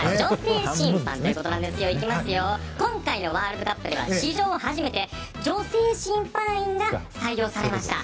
今回のワールドカップは史上初めて女性審判員が採用されました。